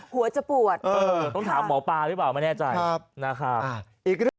หัวจะปวดเออต้องถามหมอปลาหรือเปล่าไม่แน่ใจนะครับ